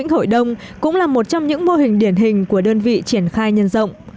hội đông cũng là một trong những mô hình điển hình của đơn vị triển khai nhân rộng